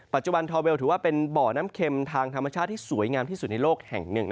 ปัจจุบันทอเวลถือว่าเป็นบ่อน้ำเค็มทางธรรมชาติที่สวยงามที่สุดในโลกแห่งหนึ่ง